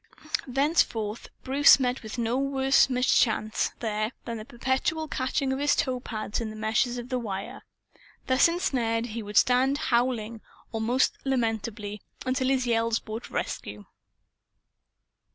Thenceforth, Bruce met with no worse mischance, there, than the perpetual catching of his toe pads in the meshes of the wire. Thus ensnared he would stand, howling most lamentably, until his yells brought rescue.